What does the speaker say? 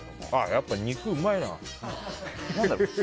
やっぱ肉うまいな。